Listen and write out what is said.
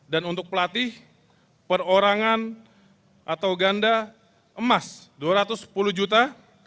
dan untuk pelatih perorangan atau ganda emas dua ratus sepuluh juta